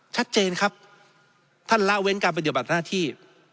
ชัดเจนครับท่านละเว้นการปฏิบัติหน้าที่